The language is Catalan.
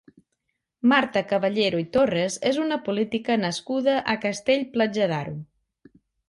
Marta Caballero i Torres és una política nascuda a Castell-Platja d'Aro.